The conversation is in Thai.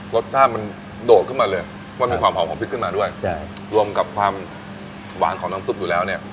รสชาติมันโดดขึ้นมาเลยว่ามีความหอมของพริกขึ้นมาด้วยรวมกับความหวานของน้ำซุปอยู่แล้วเนี่ย